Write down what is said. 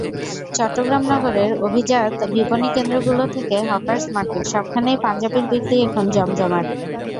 চট্টগ্রাম নগরের অভিজাত বিপণিকেন্দ্রগুলো থেকে হকার্স মার্কেট—সবখানেই পাঞ্জাবির বিক্রি এখন জমজমাট।